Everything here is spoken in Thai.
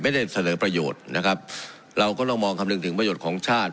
ไม่ได้เสนอประโยชน์นะครับเราก็ต้องมองคำนึงถึงประโยชน์ของชาติ